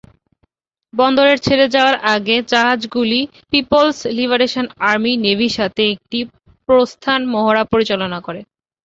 বন্দরের ছেড়ে যাওয়ার আগে, জাহাজগুলি পিপলস লিবারেশন আর্মি নেভির সাথে একটি প্রস্থান মহড়া পরিচালনা করে।